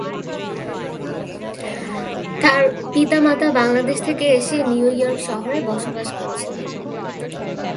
তার পিতা মাতা বাংলাদেশ থেকে এসে নিউ ইয়র্ক শহরে বসবাস করছিলেন।